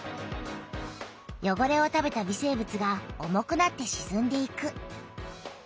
よごれを食べた微生物が重くなってしずんでいく。